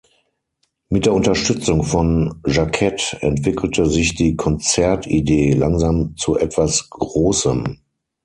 Mit der Unterstützung von Jacquette entwickelte sich die Konzertidee langsam zu etwas Großem.